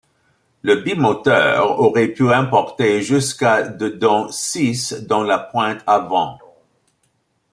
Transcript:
Le bimoteur aurait pu emporter jusqu'à de dont six dans la pointe avant.